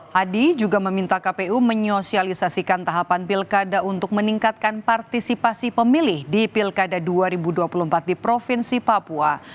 hadi juga meminta kpu menyosialisasikan tahapan pilkada untuk meningkatkan partisipasi pemilih di pilkada dua ribu dua puluh empat di provinsi papua